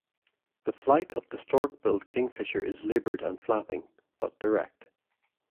The flight of the stork-billed kingfisher is laboured and flapping, but direct.